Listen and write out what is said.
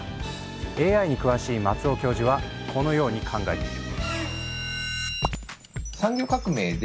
ＡＩに詳しい松尾教授はこのように考えている。